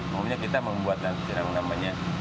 maksudnya kita membuat namanya